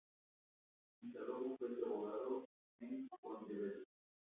Instaló bufete de abogado en Pontevedra.